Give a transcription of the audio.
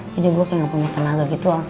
jadi gua kayak ga punya tenaga gitu